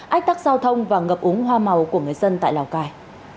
ách tắc giao thông và ngập úng hoa màu của người dân tại lào cai